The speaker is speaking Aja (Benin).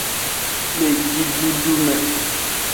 Le jidudu me.